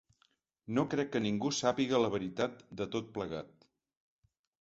No crec que ningú sàpiga la veritat de tot plegat.